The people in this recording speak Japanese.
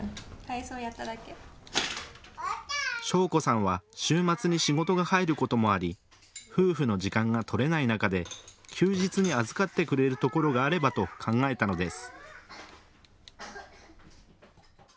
尚子さんは週末に仕事が入ることもあり夫婦の時間が取れない中で休日に預かってくれるところがあればと考えたのです。